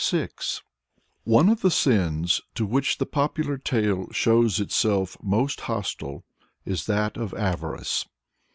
" One of the sins to which the Popular Tale shows itself most hostile is that of avarice.